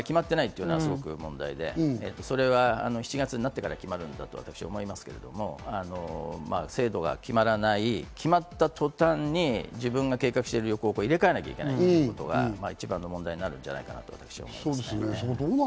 細かいことはまだ決まってないっていうのが問題で、７月になってから決まるんだと私は思いますけど、制度が決まらない、決まった途端に自分が計画している旅行と入れ替えなきゃいけない。というのが一番の問題じゃないかと思います。